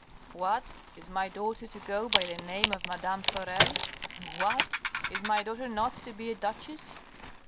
" What ! is my daughter to go by the name of madame Sorel ? What ! is my daughter not to be a duchess